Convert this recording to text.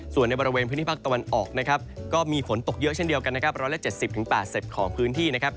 ส่วนในบริเวณพื้นที่ภาคตะวันออกนะครับก็มีฝนตกเยอะเช่นเดียวกันนะครับ๑๗๐๘๐ของพื้นที่นะครับ